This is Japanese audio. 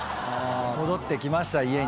戻ってきました